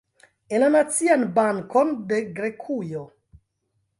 En la Nacian Bankon de Grekujo.